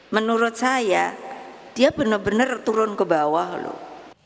menurut saya dia benar benar turun ke bawah loh